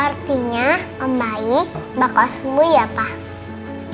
artinya om baik bakal sembuh ya pak